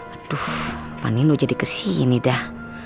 aduh panino jadi kesini dah